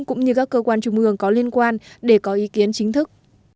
cũng như các cơ quan trung ương có liên quan để có ý kiến chính thức